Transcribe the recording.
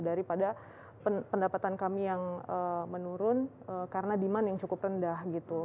daripada pendapatan kami yang menurun karena demand yang cukup rendah gitu